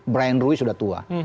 brian ruiz sudah tua